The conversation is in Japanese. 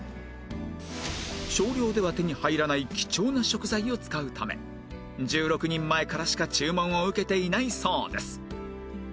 少量では手に入らない貴重な食材を使うため１６人前からしか注文を受けていないそうです